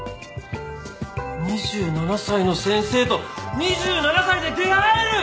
２７歳の先生と２７歳で出会える！